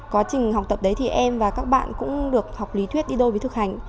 quá trình học tập đấy thì em và các bạn cũng được học lý thuyết đi đôi với thực hành